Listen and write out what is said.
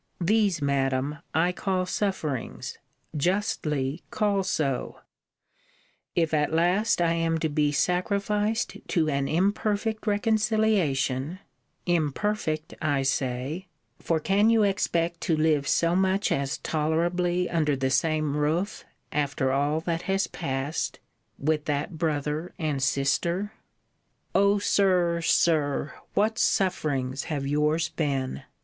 These, Madam, I call sufferings: justly call so; if at last I am to be sacrificed to an imperfect reconciliation imperfect, I say: for, can you expect to live so much as tolerably under the same roof, after all that has passed, with that brother and sister? O Sir, Sir! What sufferings have yours been!